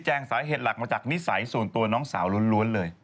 สาเหตุหลักมาจากนิสัยส่วนตัวน้องสาวล้วนเลย